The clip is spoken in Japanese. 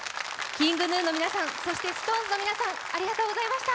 ＫｉｎｇＧｎｕの皆さん、そしてＳｉｘＴＯＮＥＳの皆さん、ありがとうございました。